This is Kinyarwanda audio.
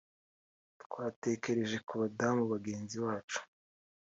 “ Twatekereje ku badamu bagenzi bacu